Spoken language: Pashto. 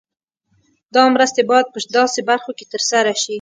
دا مرستې باید په داسې برخو کې تر سره شي.